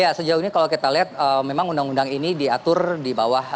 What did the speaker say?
ya sejauh ini kalau kita lihat memang undang undang ini diatur di bawah